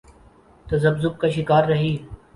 تذبذب کا شکار رہی۔